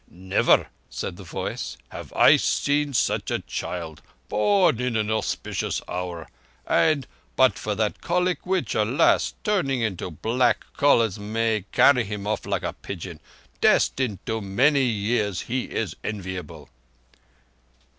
"Never," said the voice, "have I seen such a child! Born in an auspicious hour, and—but for that colic which, alas! turning into black cholers, may carry him off like a pigeon—destined to many years, he is enviable."